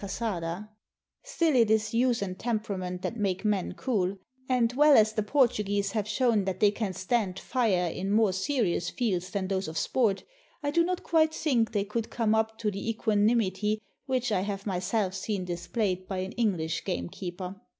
632 A PORTUGUESE SHOOTING PARTY Still it is use and temperament that make men cool; and, well as the Portuguese have shown that they can stand fire in more serious fields than those of sport, I do not quite think they could come up to the equanimity which I have myself seen displayed by an English game keeper.